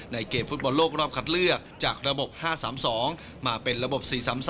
เกมฟุตบอลโลกรอบคัดเลือกจากระบบ๕๓๒มาเป็นระบบ๔๓๓